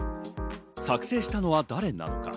作成したのは誰なのか。